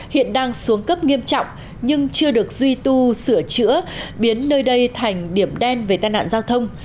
hiện đang xuống cấp nghiêm trọng nhưng chưa được duy tu sửa chữa biến nơi đây thành điểm đen về tai nạn giao thông